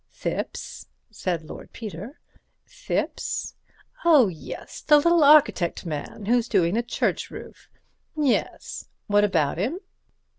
"Thipps?" said Lord Peter. "Thipps? Oh, yes, the little architect man who's doing the church roof. Yes. What about him?"